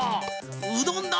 うどんだ！